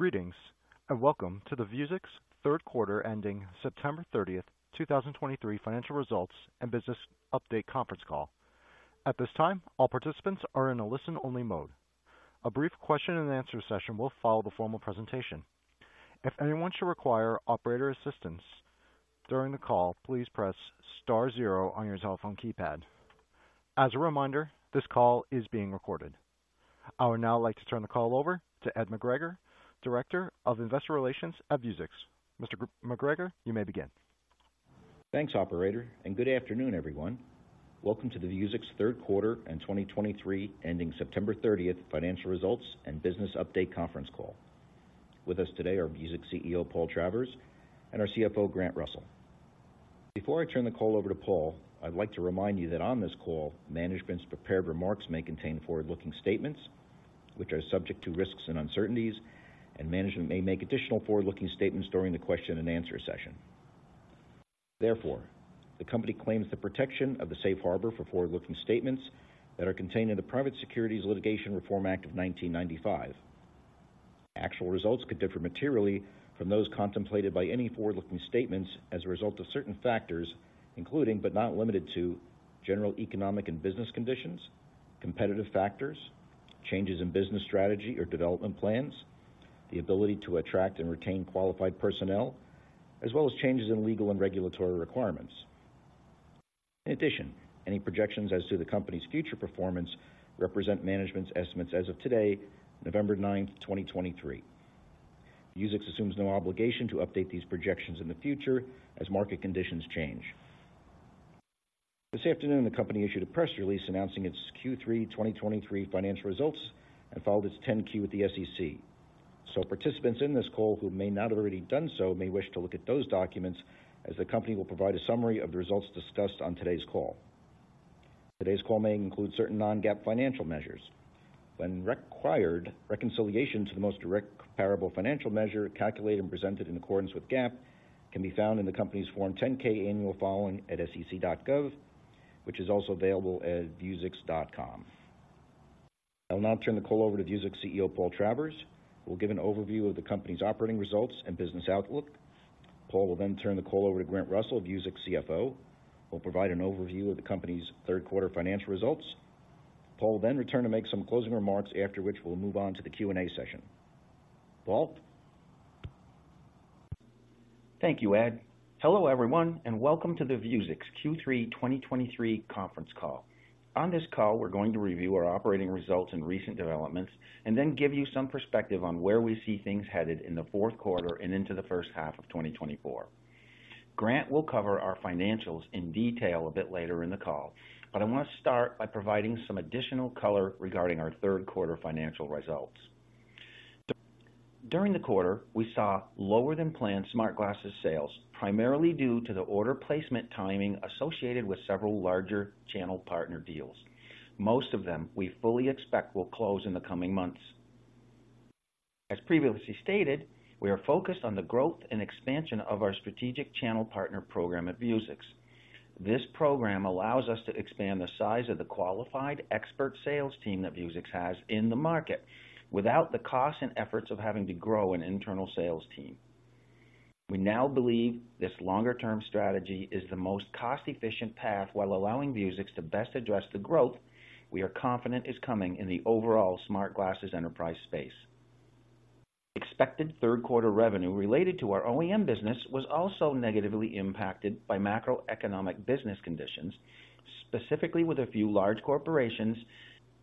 Greetings, and welcome to the Vuzix third quarter, ending September 30th, 2023 financial results and business update conference call. At this time, all participants are in a listen-only mode. A brief question and answer session will follow the formal presentation. If anyone should require operator assistance during the call, please press star zero on your telephone keypad. As a reminder, this call is being recorded. I would now like to turn the call over to Ed McGregor, Director of Investor Relations at Vuzix. Mr. McGregor, you may begin. Thanks, operator, and good afternoon, everyone. Welcome to the Vuzix third quarter and 2023 ending September 30th financial results and business update conference call. With us today are Vuzix CEO, Paul Travers, and our CFO, Grant Russell. Before I turn the call over to Paul, I'd like to remind you that on this call, management's prepared remarks may contain forward-looking statements, which are subject to risks and uncertainties, and management may make additional forward-looking statements during the question and answer session. Therefore, the company claims the protection of the safe harbor for forward-looking statements that are contained in the Private Securities Litigation Reform Act of 1995. Actual results could differ materially from those contemplated by any forward-looking statements as a result of certain factors, including, but not limited to general economic and business conditions, competitive factors, changes in business strategy or development plans, the ability to attract and retain qualified personnel, as well as changes in legal and regulatory requirements. In addition, any projections as to the company's future performance represent management's estimates as of today, November 9th, 2023. Vuzix assumes no obligation to update these projections in the future as market conditions change. This afternoon, the company issued a press release announcing its Q3 2023 financial results and followed its 10-Q with the SEC. So participants in this call who may not have already done so, may wish to look at those documents as the company will provide a summary of the results discussed on today's call. Today's call may include certain non-GAAP financial measures. When required, reconciliation to the most direct comparable financial measure, calculated and presented in accordance with GAAP, can be found in the company's Form 10-K annual filing at sec.gov, which is also available at vuzix.com. I'll now turn the call over to Vuzix CEO, Paul Travers, who will give an overview of the company's operating results and business outlook. Paul will then turn the call over to Grant Russell, Vuzix CFO, who will provide an overview of the company's third quarter financial results. Paul will then return to make some closing remarks, after which we'll move on to the Q&A session. Paul? Thank you, Ed. Hello, everyone, and welcome to the Vuzix Q3 2023 conference call. On this call, we're going to review our operating results and recent developments and then give you some perspective on where we see things headed in the fourth quarter and into the first half of 2024. Grant will cover our financials in detail a bit later in the call, but I want to start by providing some additional color regarding our third quarter financial results. During the quarter, we saw lower than planned smart glasses sales, primarily due to the order placement timing associated with several larger channel partner deals. Most of them we fully expect will close in the coming months. As previously stated, we are focused on the growth and expansion of our strategic channel partner program at Vuzix. This program allows us to expand the size of the qualified expert sales team that Vuzix has in the market, without the cost and efforts of having to grow an internal sales team. We now believe this longer term strategy is the most cost-efficient path, while allowing Vuzix to best address the growth we are confident is coming in the overall smart glasses enterprise space. Expected third quarter revenue related to our OEM business was also negatively impacted by macroeconomic business conditions, specifically with a few large corporations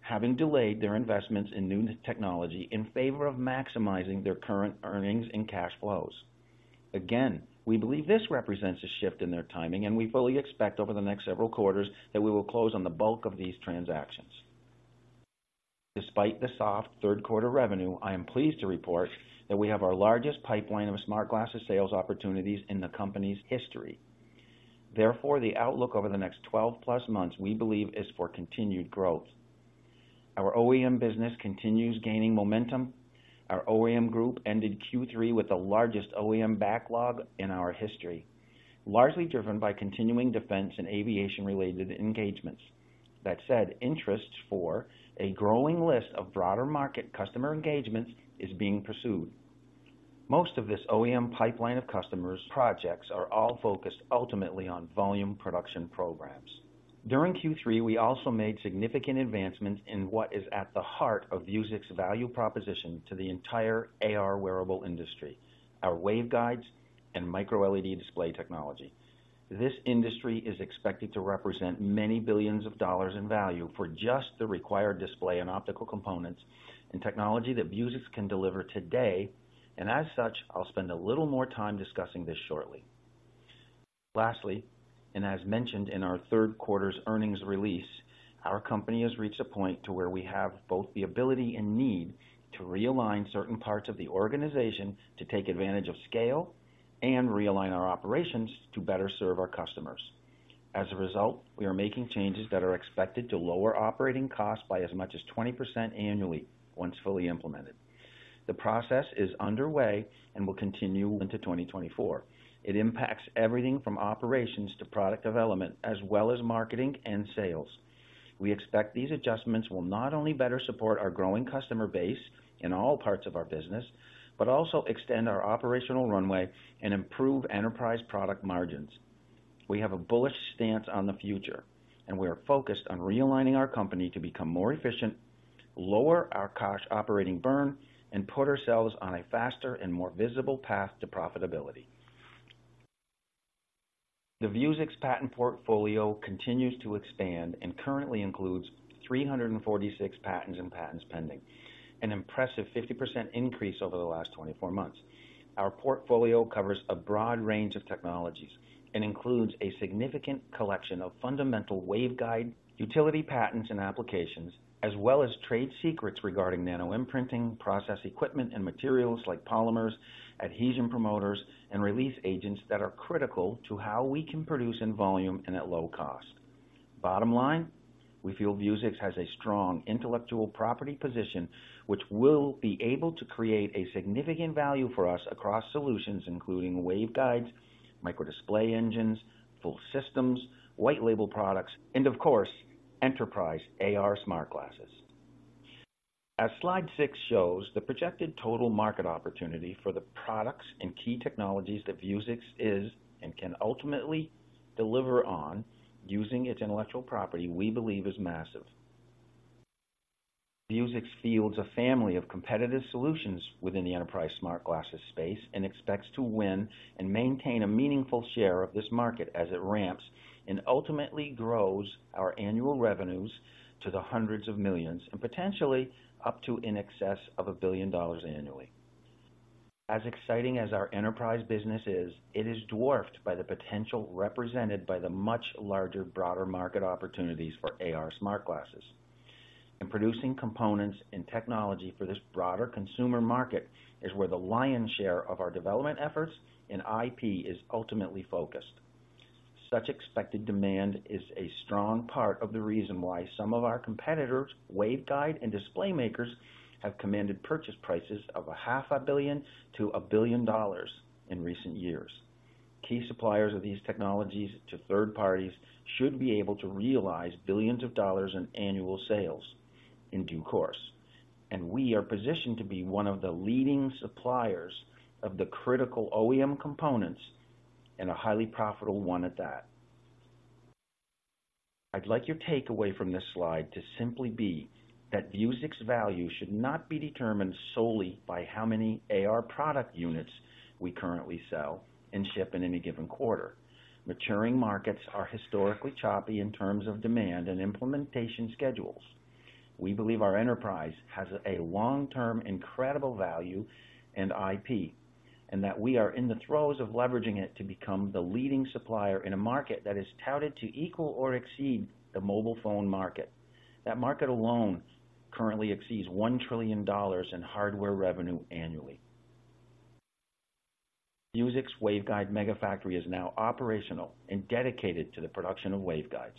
having delayed their investments in new technology in favor of maximizing their current earnings and cash flows. Again, we believe this represents a shift in their timing, and we fully expect over the next several quarters that we will close on the bulk of these transactions. Despite the soft third quarter revenue, I am pleased to report that we have our largest pipeline of smart glasses sales opportunities in the company's history. Therefore, the outlook over the next 12+ months, we believe, is for continued growth. Our OEM business continues gaining momentum. Our OEM group ended Q3 with the largest OEM backlog in our history, largely driven by continuing defense and aviation-related engagements. That said, interests for a growing list of broader market customer engagements is being pursued. Most of this OEM pipeline of customers projects are all focused ultimately on volume production programs. During Q3, we also made significant advancements in what is at the heart of Vuzix's value proposition to the entire AR wearable industry, our waveguides and microLED display technology. This industry is expected to represent many billions of dollars in value for just the required display and optical components and technology that Vuzix can deliver today. And as such, I'll spend a little more time discussing this shortly. Lastly, and as mentioned in our third quarter's earnings release, our company has reached a point to where we have both the ability and need to realign certain parts of the organization to take advantage of scale and realign our operations to better serve our customers. As a result, we are making changes that are expected to lower operating costs by as much as 20% annually, once fully implemented. The process is underway and will continue into 2024. It impacts everything from operations to product development, as well as marketing and sales. We expect these adjustments will not only better support our growing customer base in all parts of our business, but also extend our operational runway and improve enterprise product margins. We have a bullish stance on the future, and we are focused on realigning our company to become more efficient, lower our cash operating burn, and put ourselves on a faster and more visible path to profitability. The Vuzix patent portfolio continues to expand and currently includes 346 patents and patents pending, an impressive 50% increase over the last 24 months. Our portfolio covers a broad range of technologies and includes a significant collection of fundamental waveguide utility patents and applications, as well as trade secrets regarding nanoimprinting, process equipment, and materials like polymers, adhesion promoters, and release agents that are critical to how we can produce in volume and at low cost. Bottom line, we feel Vuzix has a strong intellectual property position, which will be able to create a significant value for us across solutions, including waveguides, microdisplay engines, full systems, white label products, and of course, enterprise AR smart glasses. As slide six shows, the projected total market opportunity for the products and key technologies that Vuzix is and can ultimately deliver on using its intellectual property, we believe is massive. Vuzix fields a family of competitive solutions within the enterprise smart glasses space, and expects to win and maintain a meaningful share of this market as it ramps and ultimately grows our annual revenues to hundreds of millions and potentially up to in excess of $1 billion annually. As exciting as our enterprise business is, it is dwarfed by the potential represented by the much larger, broader market opportunities for AR smart glasses. Producing components and technology for this broader consumer market is where the lion's share of our development efforts and IP is ultimately focused. Such expected demand is a strong part of the reason why some of our competitors, waveguide and display makers, have commanded purchase prices of $500 million-$1 billion in recent years. Key suppliers of these technologies to third parties should be able to realize billions of dollars in annual sales in due course, and we are positioned to be one of the leading suppliers of the critical OEM components, and a highly profitable one at that. I'd like your takeaway from this slide to simply be that Vuzix's value should not be determined solely by how many AR product units we currently sell and ship in any given quarter. Maturing markets are historically choppy in terms of demand and implementation schedules. We believe our enterprise has a long-term, incredible value and IP, and that we are in the throes of leveraging it to become the leading supplier in a market that is touted to equal or exceed the mobile phone market. That market alone currently exceeds $1 trillion in hardware revenue annually. Vuzix Waveguide Mega Factory is now operational and dedicated to the production of waveguides.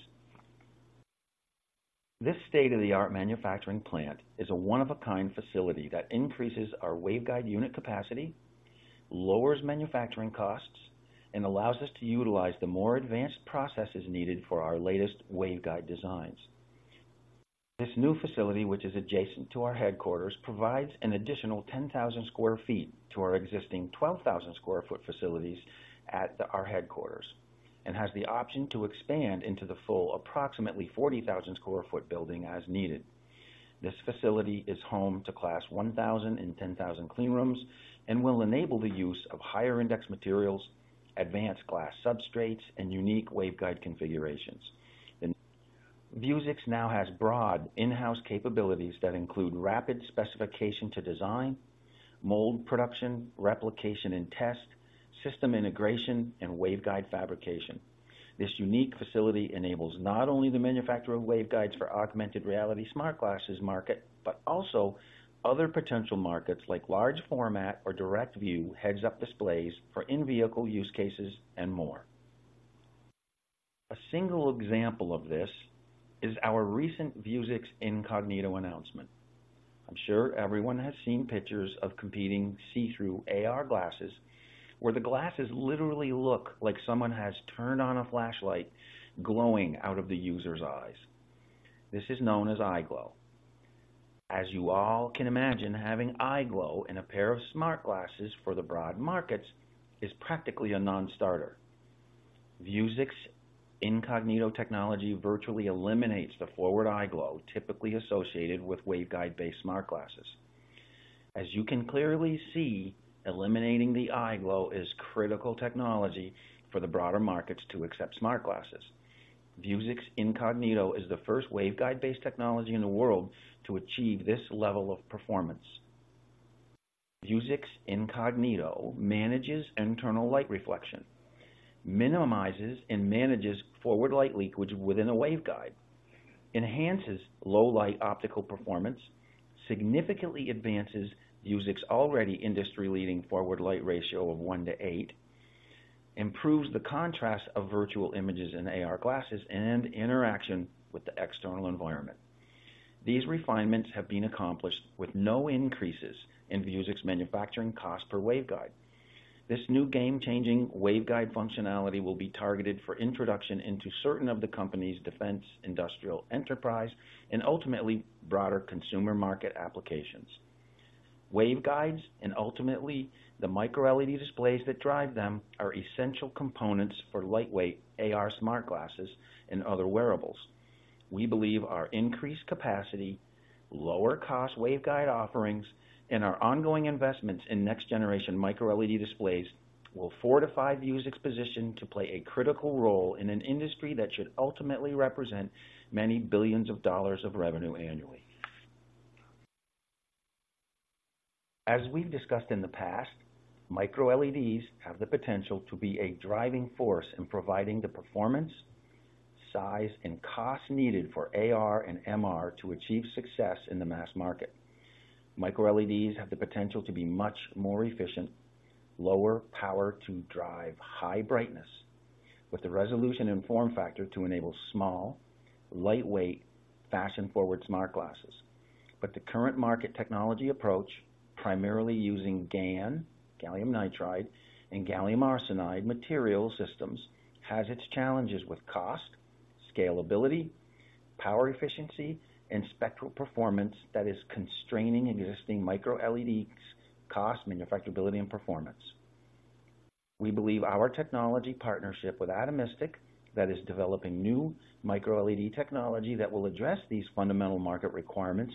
This state-of-the-art manufacturing plant is a one-of-a-kind facility that increases our waveguide unit capacity, lowers manufacturing costs, and allows us to utilize the more advanced processes needed for our latest waveguide designs. This new facility, which is adjacent to our headquarters, provides an additional 10,000 sq ft to our existing 12,000 sq ft facilities at our headquarters, and has the option to expand into the full approximately 40,000 sq ft building as needed. This facility is home to Class 1,000 and 10,000 clean rooms and will enable the use of higher index materials, advanced glass substrates, and unique waveguide configurations. Vuzix now has broad in-house capabilities that include rapid specification to design, mold production, replication and test, system integration, and waveguide fabrication. This unique facility enables not only the manufacture of waveguides for augmented reality smart glasses market, but also other potential markets like large format or direct view, heads-up displays for in-vehicle use cases and more. A single example of this is our recent Vuzix Incognito announcement. I'm sure everyone has seen pictures of competing see-through AR glasses, where the glasses literally look like someone has turned on a flashlight glowing out of the user's eyes. This is known as eye glow. As you all can imagine, having eye glow in a pair of smart glasses for the broad markets is practically a non-starter. Vuzix Incognito technology virtually eliminates the forward eye glow typically associated with waveguide-based smart glasses. As you can clearly see, eliminating the eye glow is critical technology for the broader markets to accept smart glasses. Vuzix Incognito is the first waveguide-based technology in the world to achieve this level of performance. Vuzix Incognito manages internal light reflection, minimizes and manages forward light leakage within a waveguide, enhances low light optical performance, significantly advances Vuzix's already industry-leading forward light ratio of 1/8, improves the contrast of virtual images in AR glasses, and interaction with the external environment. These refinements have been accomplished with no increases in Vuzix manufacturing cost per waveguide. This new game-changing waveguide functionality will be targeted for introduction into certain of the company's defense, industrial, enterprise, and ultimately broader consumer market applications.... Waveguides, and ultimately, the microLED displays that drive them, are essential components for lightweight AR smart glasses and other wearables. We believe our increased capacity, lower cost waveguide offerings, and our ongoing investments in next-generation microLED displays will fortify Vuzix's position to play a critical role in an industry that should ultimately represent many billions of dollars of revenue annually. As we've discussed in the past, microLEDs have the potential to be a driving force in providing the performance, size, and cost needed for AR and MR to achieve success in the mass market. MicroLEDs have the potential to be much more efficient, lower power to drive high brightness, with the resolution and form factor to enable small, lightweight, fashion-forward smart glasses. But the current market technology approach, primarily using GaN, Gallium Nitride, and Gallium Arsenide material systems, has its challenges with cost, scalability, power efficiency, and spectral performance that is constraining existing microLEDs cost, manufacturability, and performance. We believe our technology partnership with Atomistic, that is developing new microLED technology that will address these fundamental market requirements,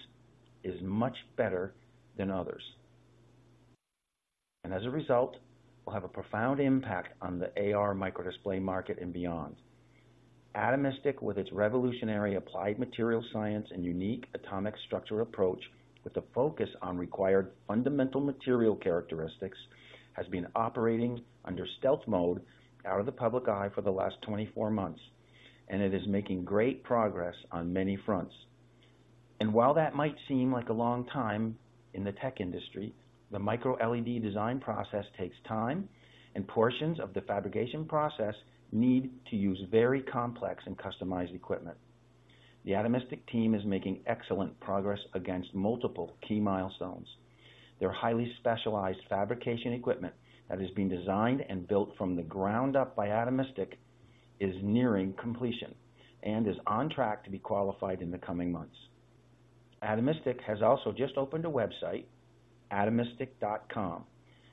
is much better than others. And as a result, will have a profound impact on the AR microdisplay market and beyond. Atomistic, with its revolutionary applied material science and unique atomic structural approach, with a focus on required fundamental material characteristics, has been operating under stealth mode out of the public eye for the last 24 months, and it is making great progress on many fronts. While that might seem like a long time in the tech industry, the microLED design process takes time, and portions of the fabrication process need to use very complex and customized equipment. The Atomistic team is making excellent progress against multiple key milestones. Their highly specialized fabrication equipment that is being designed and built from the ground up by Atomistic is nearing completion and is on track to be qualified in the coming months. Atomistic has also just opened a website, atomistic.com.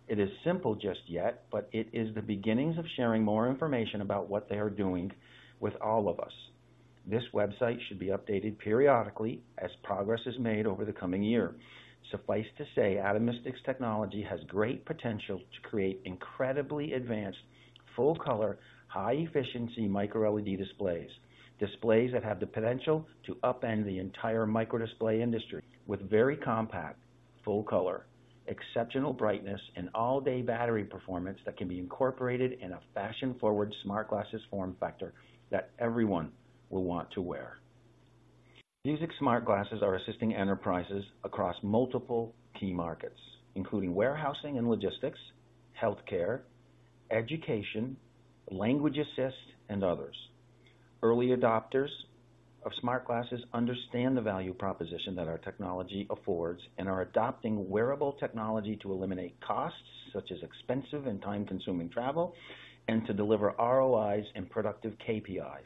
It is simple just yet, but it is the beginnings of sharing more information about what they are doing with all of us. This website should be updated periodically as progress is made over the coming year. Suffice to say, Atomistic's technology has great potential to create incredibly advanced, full-color, high-efficiency microLED displays. Displays that have the potential to upend the entire microdisplay industry with very compact, full color, exceptional brightness, and all-day battery performance that can be incorporated in a fashion-forward smart glasses form factor that everyone will want to wear. Vuzix smart glasses are assisting enterprises across multiple key markets, including warehousing and logistics, healthcare, education, language assist, and others. Early adopters of smart glasses understand the value proposition that our technology affords and are adopting wearable technology to eliminate costs, such as expensive and time-consuming travel, and to deliver ROIs and productive KPIs.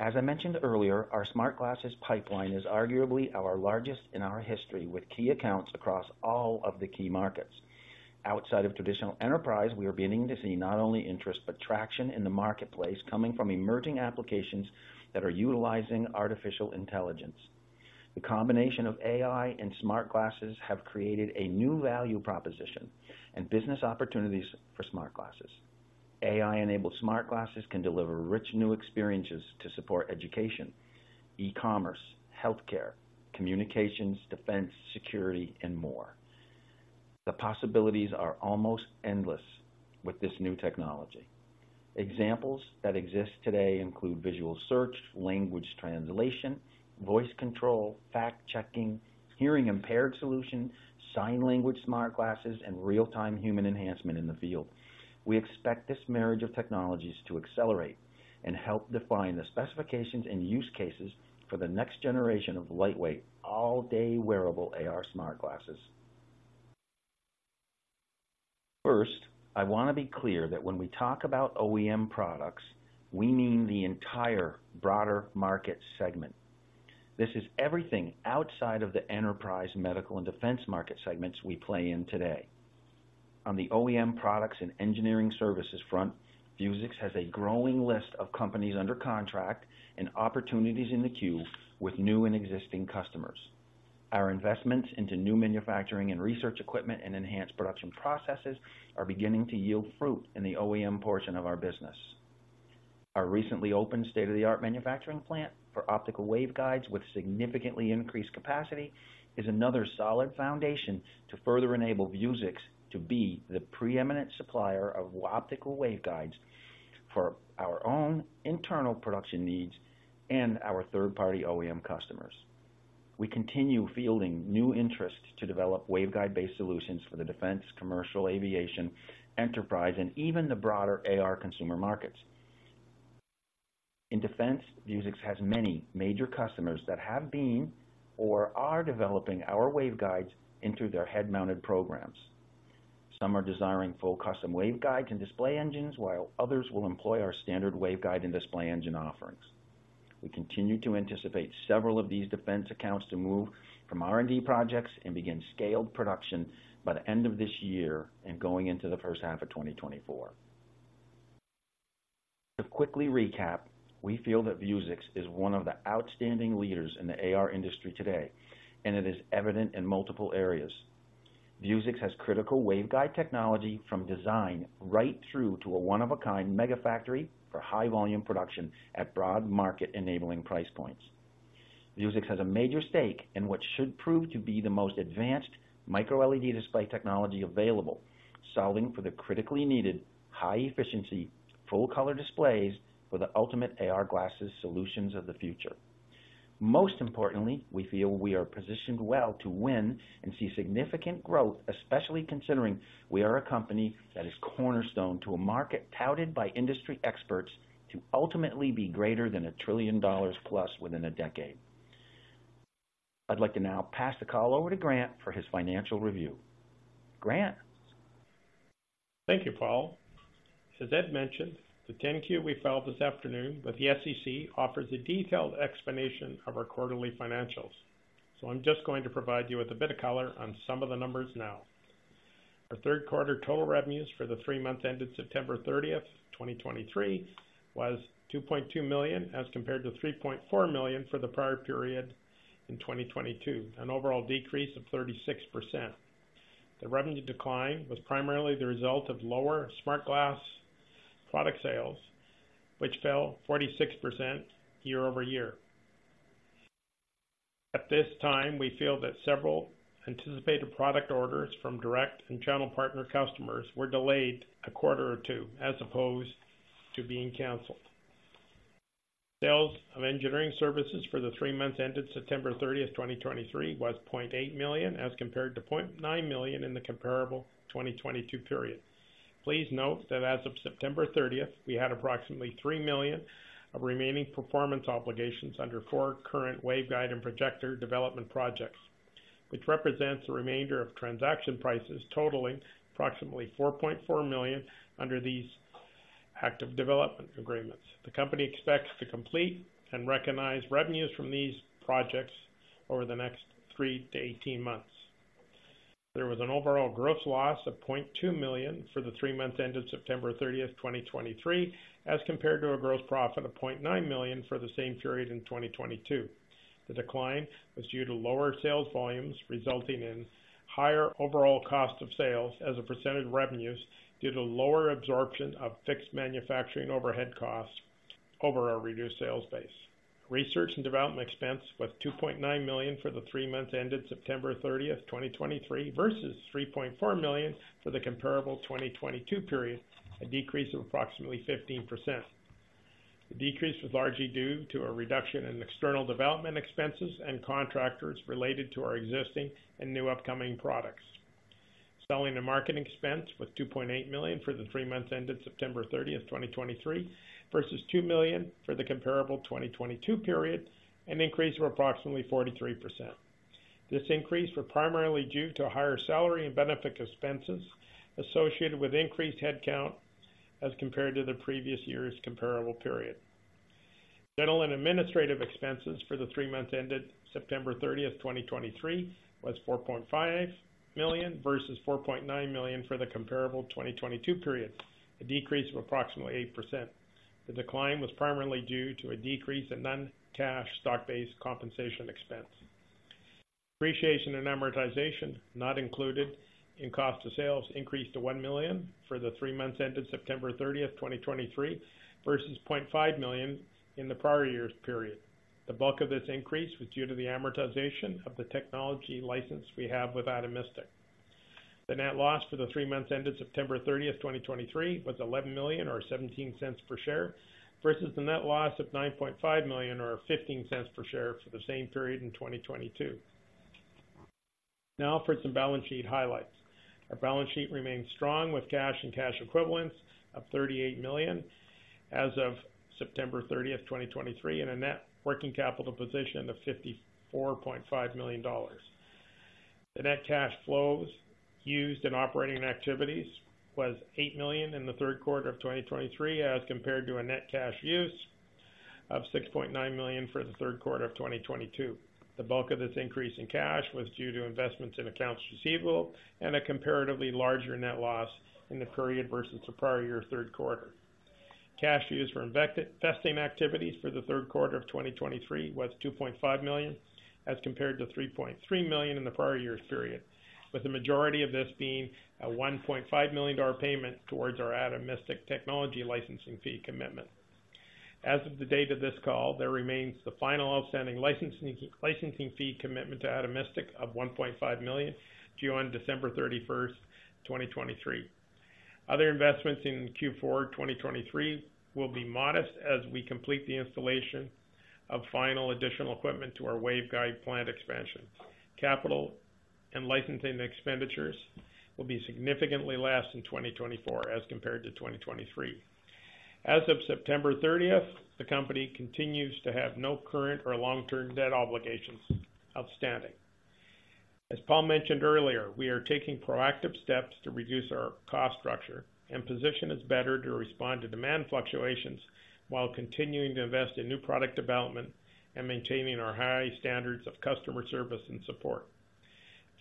As I mentioned earlier, our smart glasses pipeline is arguably our largest in our history, with key accounts across all of the key markets. Outside of traditional enterprise, we are beginning to see not only interest, but traction in the marketplace coming from emerging applications that are utilizing artificial intelligence. The combination of AI and smart glasses have created a new value proposition and business opportunities for smart glasses. AI-enabled smart glasses can deliver rich new experiences to support education, e-commerce, healthcare, communications, defense, security, and more. The possibilities are almost endless with this new technology. Examples that exist today include visual search, language translation, voice control, fact-checking, hearing-impaired solution, sign language smart glasses, and real-time human enhancement in the field. We expect this marriage of technologies to accelerate and help define the specifications and use cases for the next generation of lightweight, all-day wearable AR smart glasses. First, I want to be clear that when we talk about OEM products, we mean the entire broader market segment. This is everything outside of the enterprise, medical, and defense market segments we play in today. On the OEM products and engineering services front, Vuzix has a growing list of companies under contract and opportunities in the queue with new and existing customers. Our investments into new manufacturing and research equipment and enhanced production processes are beginning to yield fruit in the OEM portion of our business. Our recently opened state-of-the-art manufacturing plant for optical waveguides, with significantly increased capacity, is another solid foundation to further enable Vuzix to be the preeminent supplier of optical waveguides for our own internal production needs and our third-party OEM customers. We continue fielding new interests to develop waveguide-based solutions for the defense, commercial aviation, enterprise, and even the broader AR consumer markets. In defense, Vuzix has many major customers that have been or are developing our waveguides into their head-mounted programs.... Some are desiring full custom waveguide and display engines, while others will employ our standard waveguide and display engine offerings. We continue to anticipate several of these defense accounts to move from R&D projects and begin scaled production by the end of this year and going into the first half of 2024. To quickly recap, we feel that Vuzix is one of the outstanding leaders in the AR industry today, and it is evident in multiple areas. Vuzix has critical waveguide technology from design right through to a one-of-a-kind mega factory for high volume production at broad market-enabling price points. Vuzix has a major stake in what should prove to be the most advanced microLED display technology available, solving for the critically needed, high efficiency, full color displays for the ultimate AR glasses solutions of the future. Most importantly, we feel we are positioned well to win and see significant growth, especially considering we are a company that is cornerstone to a market touted by industry experts to ultimately be greater than $1 trillion+ within a decade. I'd like to now pass the call over to Grant for his financial review. Grant? Thank you, Paul. As Ed mentioned, the 10-Q we filed this afternoon with the SEC offers a detailed explanation of our quarterly financials. So I'm just going to provide you with a bit of color on some of the numbers now. Our third quarter total revenues for the three months ended September 30th, 2023, was $2.2 million, as compared to $3.4 million for the prior period in 2022, an overall decrease of 36%. The revenue decline was primarily the result of lower smart glass product sales, which fell 46% year-over-year. At this time, we feel that several anticipated product orders from direct and channel partner customers were delayed a quarter or two, as opposed to being canceled. Sales of engineering services for the three months ended September 30th, 2023, was $0.8 million, as compared to $0.9 million in the comparable 2022 period. Please note that as of September 30th, we had approximately $3 million of remaining performance obligations under four current waveguide and projector development projects, which represents a remainder of transaction prices totaling approximately $4.4 million under these active development agreements. The company expects to complete and recognize revenues from these projects over the next three, 18 months. There was an overall gross loss of $0.2 million for the three months ended September 30th, 2023, as compared to a gross profit of $0.9 million for the same period in 2022. The decline was due to lower sales volumes, resulting in higher overall cost of sales as a percentage of revenues, due to lower absorption of fixed manufacturing overhead costs over our reduced sales base. Research and development expense was $2.9 million for the three months ended September 30th, 2023, versus $3.4 million for the comparable 2022 period, a decrease of approximately 15%. The decrease was largely due to a reduction in external development expenses and contractors related to our existing and new upcoming products. Selling and marketing expense was $2.8 million for the three months ended September 30th, 2023, versus $2 million for the comparable 2022 period, an increase of approximately 43%. This increase was primarily due to a higher salary and benefit expenses associated with increased headcount as compared to the previous year's comparable period. General and administrative expenses for the three months ended September 30th, 2023, was $4.5 million versus $4.9 million for the comparable 2022 period, a decrease of approximately 8%. The decline was primarily due to a decrease in non-cash stock-based compensation expense. Depreciation and amortization, not included in cost of sales, increased to $1 million for the three months ended September 30th, 2023, versus $0.5 million in the prior year's period. The bulk of this increase was due to the amortization of the technology license we have with Atomistic. The net loss for the three months ended September 30th, 2023, was $11 million or $0.17 per share, versus the net loss of $9.5 million or $0.15 per share for the same period in 2022. Now for some balance sheet highlights. Our balance sheet remains strong, with cash and cash equivalents of $38 million as of September 30th, 2023, and a net working capital position of $54.5 million. The net cash flows used in operating activities was $8 million in the third quarter of 2023, as compared to a net cash use of $6.9 million for the third quarter of 2022. The bulk of this increase in cash was due to investments in accounts receivable and a comparatively larger net loss in the period versus the prior year third quarter. Cash used for investing activities for the third quarter of 2023 was $2.5 million, as compared to $3.3 million in the prior year's period, with the majority of this being a $1.5 million payment towards our Atomistic technology licensing fee commitment. As of the date of this call, there remains the final outstanding licensing, licensing fee commitment to Atomistic of $1.5 million, due on December 31st, 2023. Other investments in Q4 2023 will be modest as we complete the installation of final additional equipment to our waveguide plant expansion. Capital and licensing expenditures will be significantly less in 2024 as compared to 2023. As of September 30th, the company continues to have no current or long-term debt obligations outstanding. As Paul mentioned earlier, we are taking proactive steps to reduce our cost structure and position us better to respond to demand fluctuations, while continuing to invest in new product development and maintaining our high standards of customer service and support.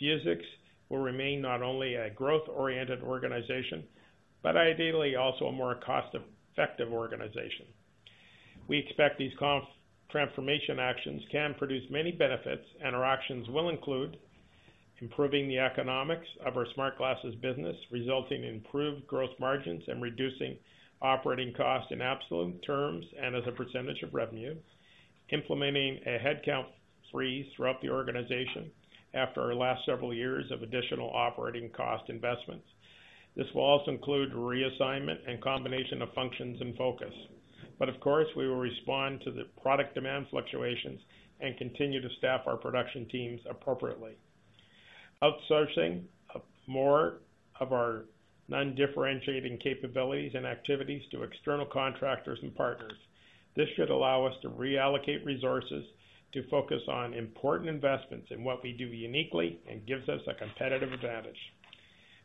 Vuzix will remain not only a growth-oriented organization, but ideally, also a more cost-effective organization. We expect these cost transformation actions can produce many benefits, and our actions will include: improving the economics of our smart glasses business, resulting in improved growth margins and reducing operating costs in absolute terms and as a percentage of revenue. Implementing a headcount freeze throughout the organization after our last several years of additional operating cost investments. This will also include reassignment and combination of functions and focus. But of course, we will respond to the product demand fluctuations and continue to staff our production teams appropriately. Outsourcing of more of our non-differentiating capabilities and activities to external contractors and partners. This should allow us to reallocate resources to focus on important investments in what we do uniquely and gives us a competitive advantage.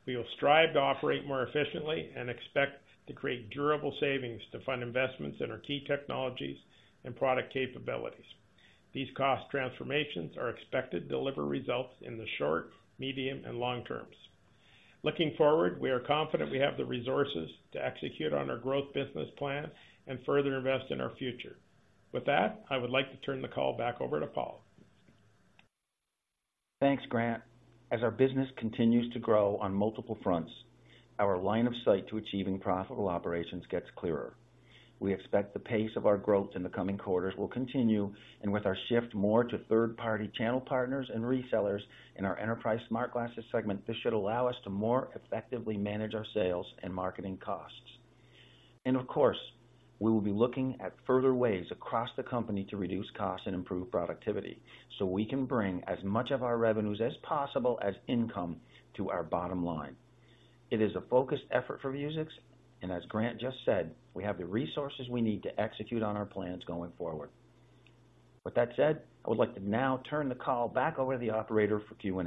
We will strive to operate more efficiently and expect to create durable savings to fund investments in our key technologies and product capabilities. These cost transformations are expected to deliver results in the short, medium, and long terms. Looking forward, we are confident we have the resources to execute on our growth business plan and further invest in our future. With that, I would like to turn the call back over to Paul. Thanks, Grant. As our business continues to grow on multiple fronts, our line of sight to achieving profitable operations gets clearer. We expect the pace of our growth in the coming quarters will continue, and with our shift more to third-party channel partners and resellers in our enterprise smart glasses segment, this should allow us to more effectively manage our sales and marketing costs. Of course, we will be looking at further ways across the company to reduce costs and improve productivity, so we can bring as much of our revenues as possible as income to our bottom line. It is a focused effort for Vuzix, and as Grant just said, we have the resources we need to execute on our plans going forward. With that said, I would like to now turn the call back over to the operator for Q&A.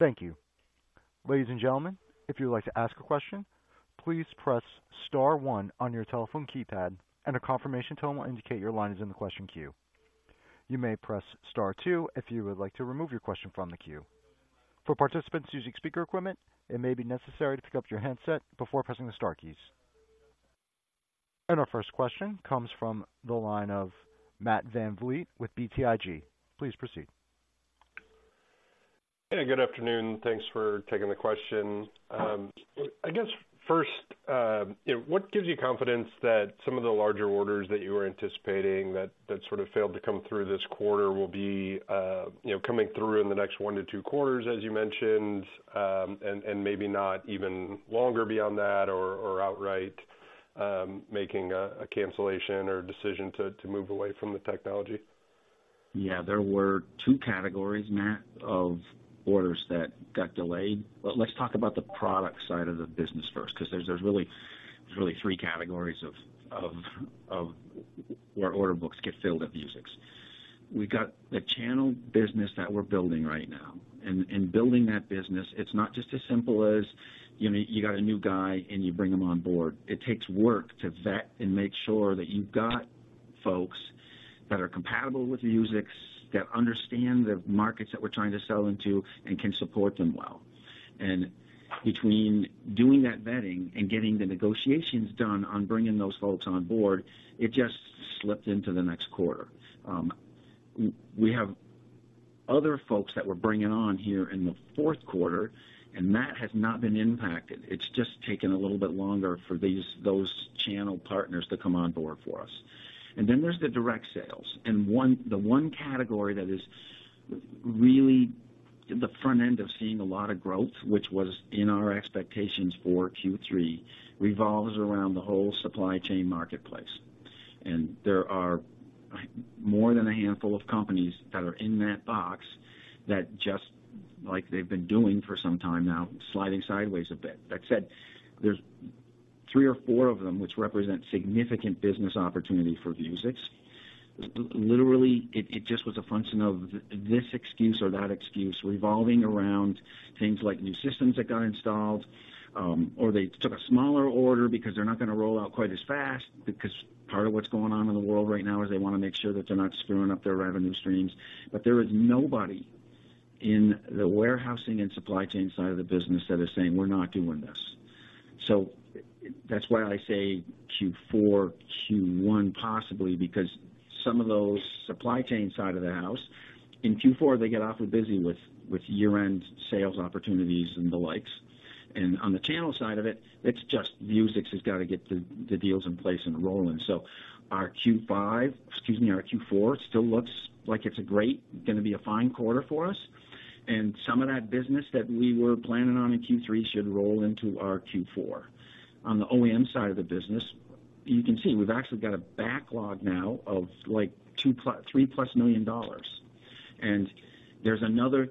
Thank you. Ladies and gentlemen, if you would like to ask a question, please press star one on your telephone keypad, and a confirmation tone will indicate your line is in the question queue. You may press star two if you would like to remove your question from the queue. For participants using speaker equipment, it may be necessary to pick up your handset before pressing the star keys. Our first question comes from the line of Matt VanVliet with BTIG. Please proceed. Hey, good afternoon. Thanks for taking the question. I guess first, you know, what gives you confidence that some of the larger orders that you were anticipating that sort of failed to come through this quarter will be, you know, coming through in the next one to two quarters, as you mentioned, and maybe not even longer beyond that or outright making a cancellation or decision to move away from the technology? Yeah, there were two categories, Matt, of orders that got delayed. But let's talk about the product side of the business first, because there's really three categories of where order books get filled at Vuzix. We've got the channel business that we're building right now, and building that business, it's not just as simple as, you know, you got a new guy, and you bring him on board. It takes work to vet and make sure that you've got folks that are compatible with Vuzix, that understand the markets that we're trying to sell into and can support them well. And between doing that vetting and getting the negotiations done on bringing those folks on board, it just slipped into the next quarter. We have other folks that we're bringing on here in the fourth quarter, and that has not been impacted. It's just taken a little bit longer for those channel partners to come on board for us. Then there's the direct sales, and the one category that is really the front end of seeing a lot of growth, which was in our expectations for Q3, revolves around the whole supply chain marketplace. There are more than a handful of companies that are in that box that just, like they've been doing for some time now, sliding sideways a bit. That said, there's three or four of them, which represent significant business opportunity for Vuzix. Literally, it just was a function of this excuse or that excuse revolving around things like new systems that got installed, or they took a smaller order because they're not going to roll out quite as fast, because part of what's going on in the world right now is they want to make sure that they're not screwing up their revenue streams. But there is nobody in the warehousing and supply chain side of the business that is saying, "We're not doing this." So that's why I say Q4, Q1, possibly, because some of those supply chain side of the house, in Q4, they get awfully busy with year-end sales opportunities and the likes. And on the channel side of it, it's just Vuzix has got to get the deals in place and rolling. So our Q5, excuse me, our Q4 still looks like it's a great, going to be a fine quarter for us, and some of that business that we were planning on in Q3 should roll into our Q4. On the OEM side of the business, you can see we've actually got a backlog now of, like, $2+, $3+ million. And there's another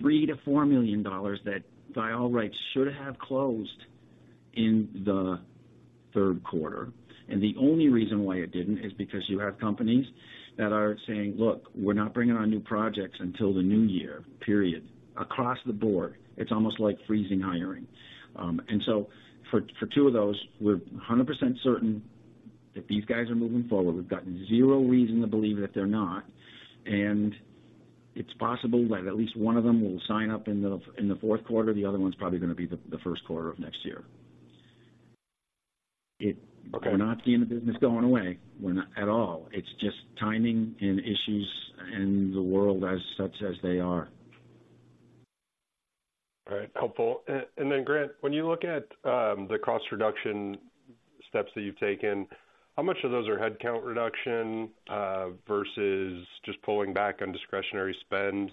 $3 million-$4 million that, by all rights, should have closed in the third quarter. And the only reason why it didn't is because you have companies that are saying, "Look, we're not bringing on new projects until the new year, period." Across the board, it's almost like freezing hiring. And so for two of those, we're 100% certain that these guys are moving forward. We've got zero reason to believe that they're not, and it's possible that at least one of them will sign up in the fourth quarter. The other one's probably gonna be the first quarter of next year. It- Okay. We're not seeing the business going away. We're not at all. It's just timing and issues in the world as such as they are. All right. Helpful. And then, Grant, when you look at the cost reduction steps that you've taken, how much of those are headcount reduction versus just pulling back on discretionary spend?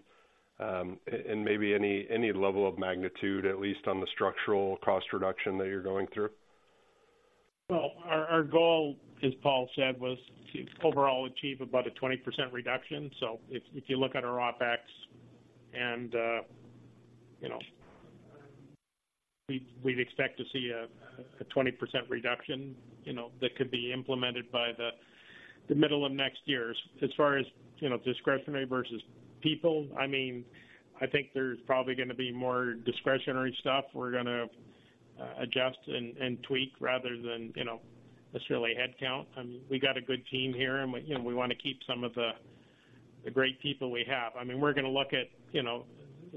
And maybe any level of magnitude, at least on the structural cost reduction that you're going through. Well, our goal, as Paul said, was to overall achieve about a 20% reduction. So if you look at our OpEx and, you know, we'd expect to see a 20% reduction, you know, that could be implemented by the middle of next year. As far as, you know, discretionary versus people, I mean, I think there's probably gonna be more discretionary stuff we're gonna adjust and tweak rather than, you know, necessarily headcount. I mean, we got a good team here, and we, you know, we wanna keep some of the great people we have. I mean, we're gonna look at, you know,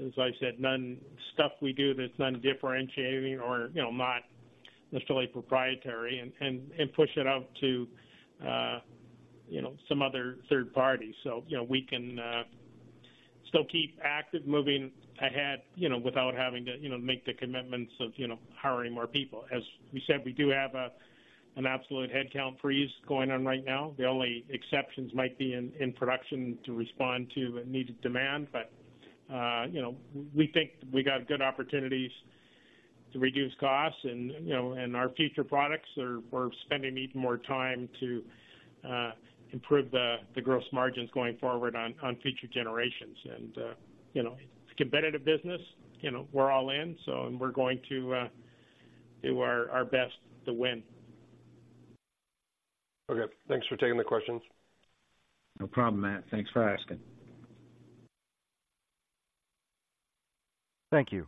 as I said, stuff we do that's non-differentiating or, you know, not necessarily proprietary and push it out to, you know, some other third party. So, you know, we can still keep active, moving ahead, you know, without having to, you know, make the commitments of, you know, hiring more people. As we said, we do have an absolute headcount freeze going on right now. The only exceptions might be in production to respond to a needed demand, but, you know, we think we got good opportunities to reduce costs and, you know, and our future products we're spending even more time to improve the gross margins going forward on future generations. And, you know, it's a competitive business, you know, we're all in, so, and we're going to do our best to win. Okay, thanks for taking the questions. No problem, Matt. Thanks for asking. Thank you.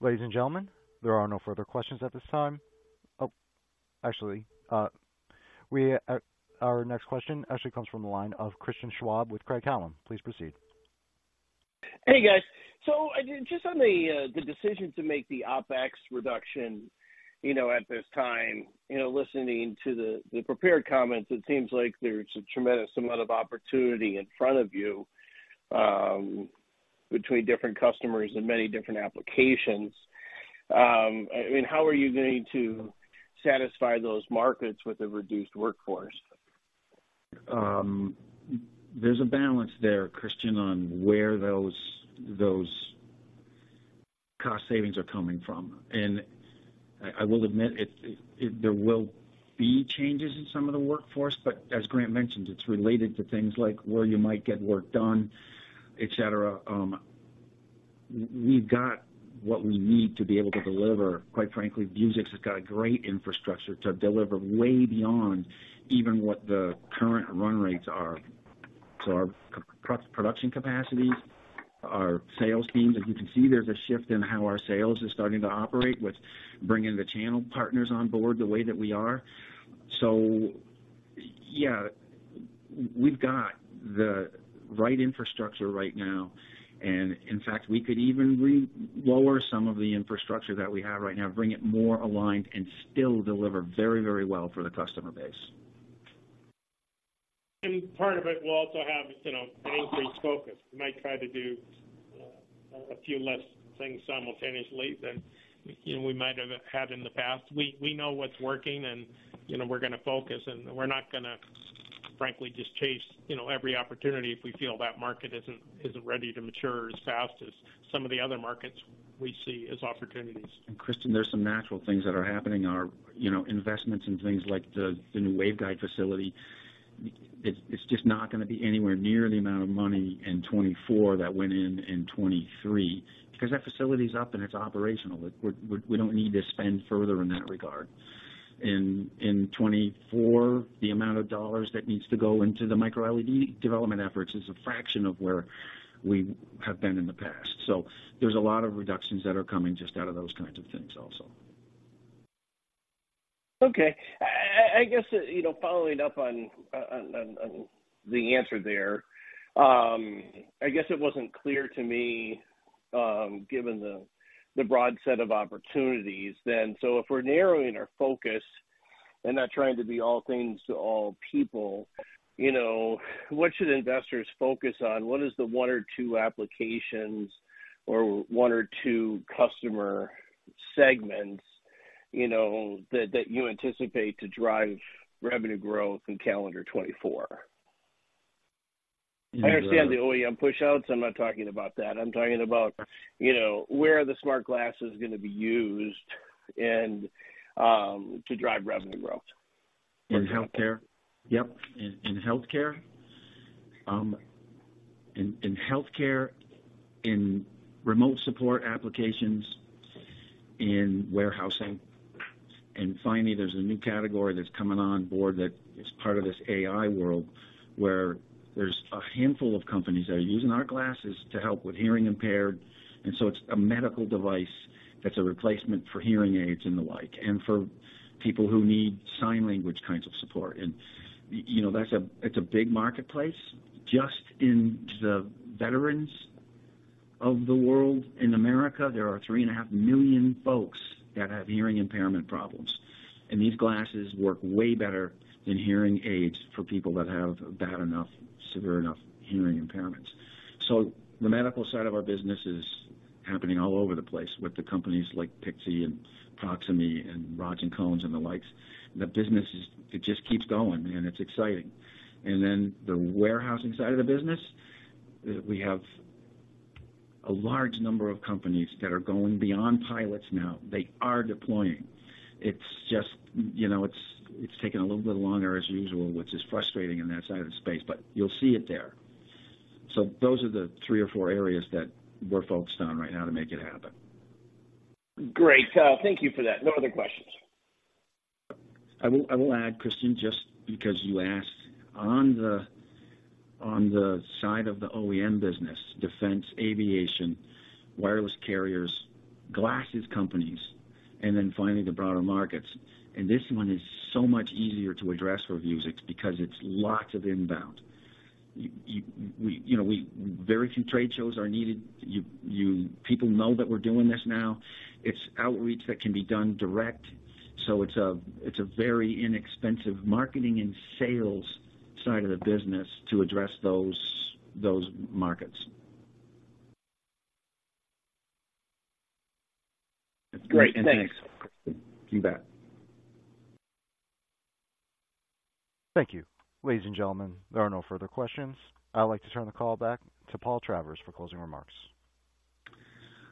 Ladies and gentlemen, there are no further questions at this time. Oh, actually, our next question actually comes from the line of Christian Schwab with Craig-Hallum. Please proceed. Hey, guys. So just on the decision to make the OpEx reduction, you know, at this time, you know, listening to the prepared comments, it seems like there's a tremendous amount of opportunity in front of you, between different customers and many different applications. I mean, how are you going to satisfy those markets with a reduced workforce? There's a balance there, Christian, on where those cost savings are coming from, and I will admit, there will be changes in some of the workforce, but as Grant mentioned, it's related to things like where you might get work done, et cetera. We've got what we need to be able to deliver. Quite frankly, Vuzix has got a great infrastructure to deliver way beyond even what the current run rates are. So our production capacities, our sales teams, as you can see, there's a shift in how our sales is starting to operate, with bringing the channel partners on board the way that we are. So yeah, we've got the right infrastructure right now, and in fact, we could even lower some of the infrastructure that we have right now, bring it more aligned, and still deliver very, very well for the customer base. Part of it will also have, you know, an increased focus. We might try to do a few less things simultaneously than, you know, we might have had in the past. We know what's working, and, you know, we're gonna focus, and we're not gonna, frankly, just chase, you know, every opportunity if we feel that market isn't ready to mature as fast as some of the other markets we see as opportunities. And, Christian, there's some natural things that are happening. Our, you know, investments in things like the new waveguide facility, it's just not gonna be anywhere near the amount of money in 2024 that went in in 2023, because that facility's up, and it's operational. We don't need to spend further in that regard. In 2024, the amount of dollars that needs to go into the microLED development efforts is a fraction of where we have been in the past. So there's a lot of reductions that are coming just out of those kinds of things also. Okay. I guess, you know, following up on the answer there, I guess it wasn't clear to me, given the broad set of opportunities then. So if we're narrowing our focus and not trying to be all things to all people, you know, what should investors focus on? What is the one or two applications or one or two customer segments, you know, that you anticipate to drive revenue growth in calendar 2024? Uh- I understand the OEM pushouts. I'm not talking about that. I'm talking about, you know, where are the smart glasses gonna be used and to drive revenue growth? In healthcare? Yep, in healthcare. In healthcare, in remote support applications, in warehousing. And finally, there's a new category that's coming on board that is part of this AI world, where there's a handful of companies that are using our glasses to help with hearing impaired. And so it's a medical device that's a replacement for hearing aids and the like, and for people who need sign language kinds of support. And, you know, that's, it's a big marketplace. Just in the veterans of the world. In America, there are 3.5 million folks that have hearing impairment problems, and these glasses work way better than hearing aids for people that have bad enough, severe enough hearing impairments. So the medical side of our business is happening all over the place with the companies like Pixy and Proximie and Rods&Cones, and the likes. The business is, it just keeps going, and it's exciting. Then the warehousing side of the business, we have a large number of companies that are going beyond pilots now. They are deploying. It's just, you know, it's taking a little bit longer as usual, which is frustrating in that side of the space, but you'll see it there. So those are the three or four areas that we're focused on right now to make it happen. Great. Thank you for that. No other questions. I will add, Christian, just because you asked. On the side of the OEM business, defense, aviation, wireless carriers, glasses companies, and then finally, the broader markets, and this one is so much easier to address for Vuzix because it's lots of inbound. You know, very few trade shows are needed. People know that we're doing this now. It's outreach that can be done direct, so it's a very inexpensive marketing and sales side of the business to address those markets. Great. Thanks. You bet. Thank you. Ladies and gentlemen, there are no further questions. I'd like to turn the call back to Paul Travers for closing remarks.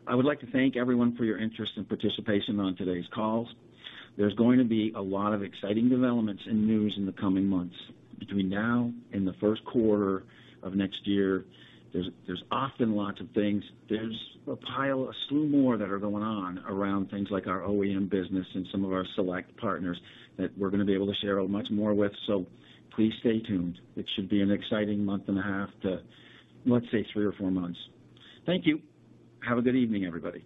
I would like to thank everyone for your interest and participation on today's call. There's going to be a lot of exciting developments and news in the coming months between now and the first quarter of next year. There's often lots of things. There's a pile, a slew more that are going on around things like our OEM business and some of our select partners that we're going to be able to share much more with. So please stay tuned. It should be an exciting month and a half to, let's say, three or four months. Thank you. Have a good evening, everybody.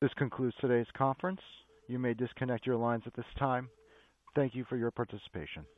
This concludes today's conference. You may disconnect your lines at this time. Thank you for your participation.